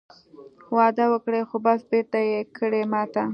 وعده وکړې خو بس بېرته یې کړې ماته